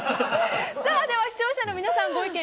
では視聴者の皆さんご意見